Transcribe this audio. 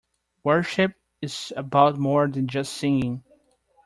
Worship is about more than just singing.